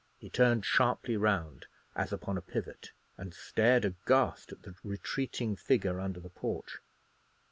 He turned sharply round, as upon a pivot, and stared aghast at the retreating figure under the porch.